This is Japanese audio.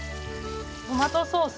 トマトソース。